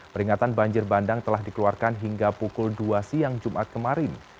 peringatan banjir bandang telah dikeluarkan hingga pukul dua siang jumat kemarin